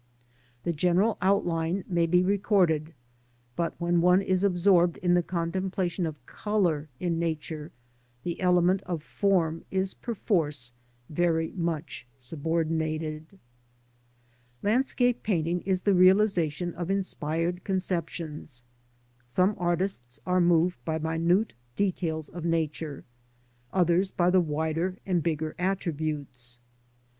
The general outline may be recorded, but when one is absorbed in the contemplation of colour in Nature, the element of form is perforce very much subordinated. Landscape painting is the realisation of inspired conceptions. Some artists are moved by minute details of Nature; others by the wider and bigger attributes.